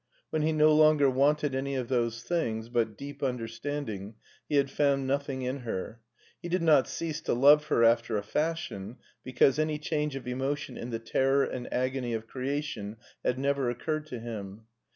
When he no longer wanted any of those things, but deep understanding, he had found nothing in her. He did not cease to love her after a fashion because any change of emotion in the terror and agony of creation had never occurred to him.